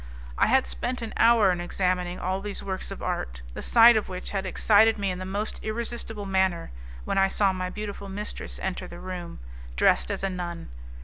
I had spent an hour in examining all these works of art, the sight of which had excited me in the most irresistible manner, when I saw my beautiful mistress enter the room, dressed as a nun.